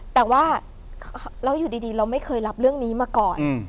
แต่ว่าเราอยู่ดีเราไม่เคยรับเรื่องนี้มาก่อน